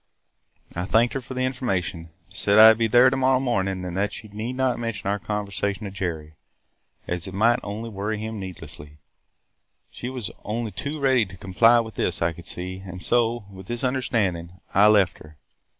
"I thanked her for the information – said I 'd be there to morrow morning and that she need not mention our conversation to Jerry, as it might only worry him needlessly, She was only too ready to comply with this, I could see. And so, with this understanding, I left her.